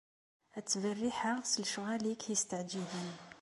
Ad ttberriḥeɣ s lecɣwal-ik yesteɛǧiben.